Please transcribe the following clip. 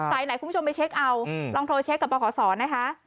ไหนคุณผู้ชมไปเช็คเอาลองโทรเช็คกับบขศนะคะ